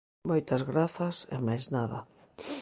Moitas grazas e máis nada.